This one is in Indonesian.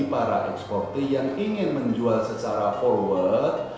para eksportir yang ingin menjual secara forward